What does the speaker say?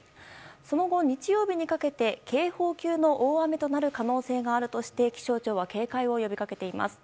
その後、日曜日にかけて警報級の大雨になる可能性があるとして気象庁は警戒を呼びかけています。